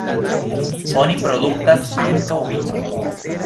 Oni produktas ankaŭ vinon.